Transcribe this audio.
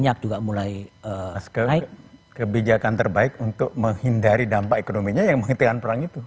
untuk kebijakan terbaik untuk menghindari dampak ekonominya yang menghentikan perang itu